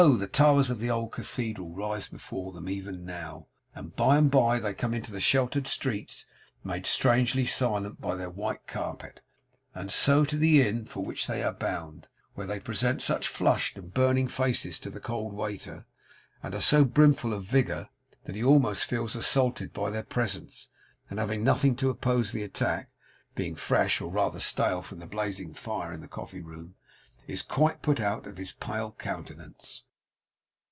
the towers of the Old Cathedral rise before them, even now! and by and bye they come into the sheltered streets, made strangely silent by their white carpet; and so to the Inn for which they are bound; where they present such flushed and burning faces to the cold waiter, and are so brimful of vigour, that he almost feels assaulted by their presence; and, having nothing to oppose to the attack (being fresh, or rather stale, from the blazing fire in the coffee room), is quite put out of his pale countenance.